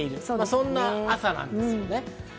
そんな朝なんですよね。